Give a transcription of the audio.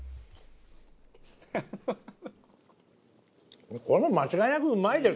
ハハハハ！